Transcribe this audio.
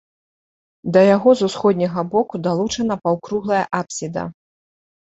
Да яго з усходняга боку далучана паўкруглая апсіда.